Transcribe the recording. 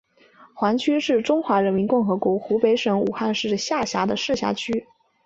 黄区是中华人民共和国湖北省武汉市下辖的市辖区。